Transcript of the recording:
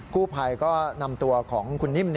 กู้ภัยก็นำตัวของคุณนิ่ม